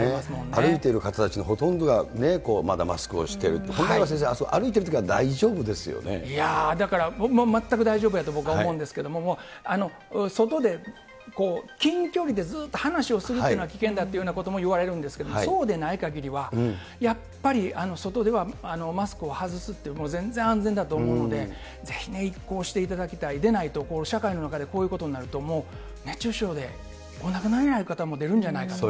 歩いている方たちのほとんどがまだマスクをしてるって、名越先生、歩いているときは大丈いやー、だから全く大丈夫だと僕は思うんですけど、外で、近距離でずっと話をするというのは危険だといわれるんですけれども、そうでないかぎりは、やっぱり外ではマスクを外すって、全然安全だと思うので、ぜひ一考していただきたい、でないと社会の中こういうことなるともう、熱中症でお亡くなりになる方も出るんじゃないかと。